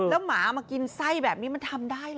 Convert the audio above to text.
แล้วหมามากินไส้แบบนี้มันทำได้เหรอ